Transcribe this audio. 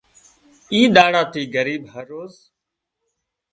اي ۮاڙا ٿِي ڳريب هروز